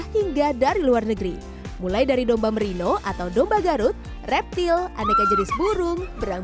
hingga dari luar negeri mulai dari domba merino atau domba garut reptil aneka jenis burung berang